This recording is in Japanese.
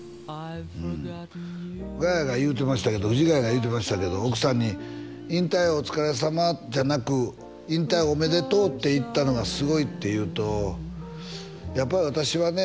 うんガヤが言うてましたけど藤ヶ谷が言うてましたけど奥さんに「引退お疲れさま」じゃなく「引退おめでとう」って言ったのがすごいって言うとやっぱり私はね